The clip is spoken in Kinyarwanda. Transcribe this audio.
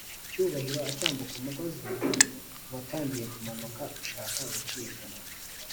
cyubahiro acyambuka umugozi watangiye kumanuka ushaka gucika